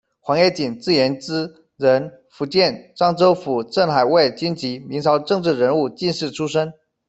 黄曰谨，字元只，人，福建漳州府镇海卫军籍，明朝政治人物、进士出身。